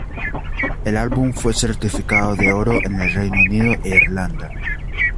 El álbum fue certificado de oro en el Reino Unido e Irlanda.